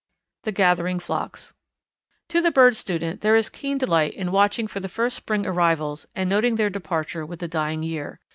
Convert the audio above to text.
The Gathering Flocks. To the bird student there is keen delight in watching for the first spring arrivals and noting their departure with the dying year.